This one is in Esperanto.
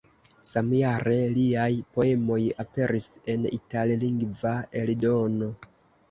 Samjare liaj poemoj aperis en itallingva eldono.